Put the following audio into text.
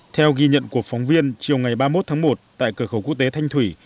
theo ghi nhận của phóng viên chiều ngày ba mươi một tháng một tại cửa khẩu quốc tế thanh thủy